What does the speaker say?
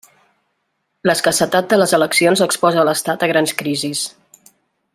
L'escassetat de les eleccions exposa l'Estat a grans crisis.